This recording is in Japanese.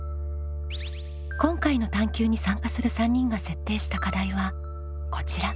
今回の探究に参加する３人が設定した課題はこちら。